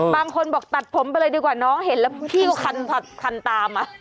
บางคนบอกตัดผมไปเลยดีกว่าน้องเห็นแล้วพี่ก็คันตามมา